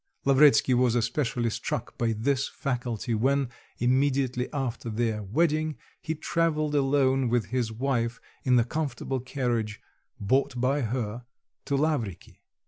Lavretsky was especially struck by this faculty when, immediately after their wedding, he traveled alone with his wife in the comfortable carriage, bought by her, to Lavriky.